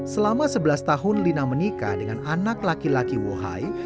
selama sebelas tahun lina menikah dengan anak laki laki wohai